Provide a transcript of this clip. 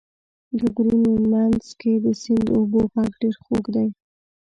د غرونو منځ کې د سیند اوبو غږ ډېر خوږ دی.